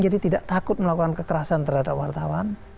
jadi tidak takut melakukan kekerasan terhadap wartawan